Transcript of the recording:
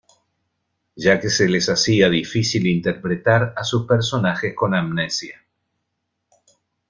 Ya que se les hacía difícil interpretar a sus personajes con amnesia.